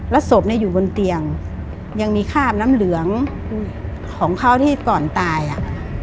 ศพเนี่ยอยู่บนเตียงยังมีคราบน้ำเหลืองของเขาที่ก่อนตายอ่ะ